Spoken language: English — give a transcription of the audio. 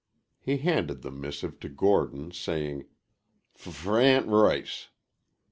He handed the missive to Gordon, saying, "F for Ann Roice."